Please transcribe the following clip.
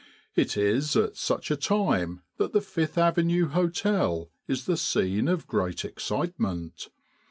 It is at such a time that the Fifth Avenue Hotel is the scene of great excitement.